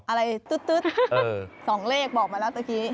อะไรตึ๊ดสองเลขบอกมาแล้วตะกี้